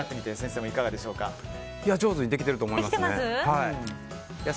上手にできていると思います。